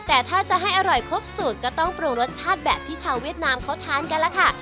แต่ถ้าจะให้อร่อยครบสูตรก็ต้องปรุงรสชาติแบบที่ชาวเวียดนามเขาทานกันแล้วค่ะ